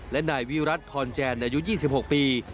และนายวิรัติพรแจนอายุ๒๖ปี